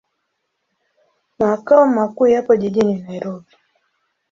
Makao makuu yapo jijini Nairobi.